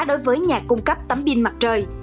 đối với nhà cung cấp tấm pin mặt trời